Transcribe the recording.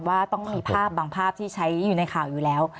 ว่าต้องมีภาพบางภาพที่ใช้อยู่ในข่าวอยู่แล้ว